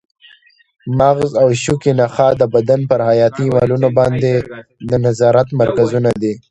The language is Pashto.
مغز او شوکي نخاع د بدن پر حیاتي عملونو باندې د نظارت مرکزونه دي.